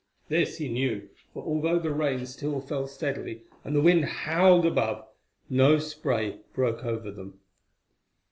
This he knew, for although the rain still fell steadily and the wind howled above, no spray broke over them.